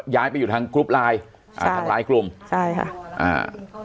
ย้ายไปอยู่ทางกรุ๊ปไลน์อ่าทางไลน์กลุ่มใช่ค่ะอ่า